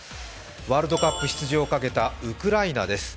ワールドカップ出場をかけたウクライナです。